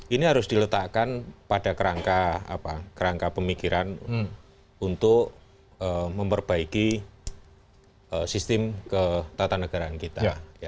ini harus diletakkan pada kerangka pemikiran untuk memperbaiki sistem ke tata negara kita